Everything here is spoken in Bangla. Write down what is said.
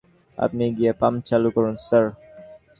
আপনি গিয়ে পাম্প চালু করুন, স্যার।